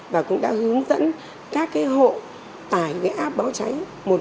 và cũng đã hướng dẫn các hộ tải áp báo cháy một trăm một mươi bốn